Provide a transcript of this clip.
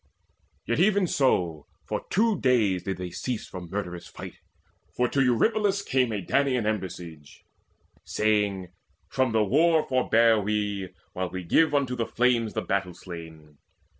Yet even so for two days did they cease From murderous fight; for to Eurypylus came A Danaan embassage, saying, "From the war Forbear we, while we give unto the flames The battle slain."